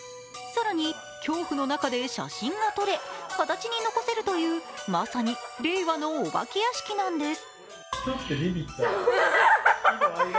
更に恐怖の中で写真が撮れ形に残せるというまさに令和のお化け屋敷なんです。